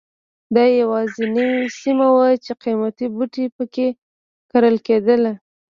دا یوازینۍ سیمه وه چې قیمتي بوټي په کې کرل کېدل.